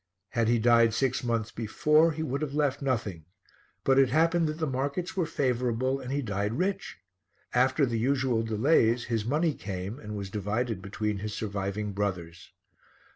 Had he died six months before, he would have left nothing, but it happened that the markets were favourable and he died rich. After the usual delays, his money came and was divided between his surviving brothers.